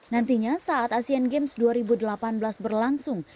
nantinya saat asian games dua ribu delapan belas berlangsung